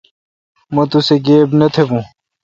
مہ توسہ گیب نہ تھبوں۔